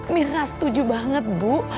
mirna setuju banget bu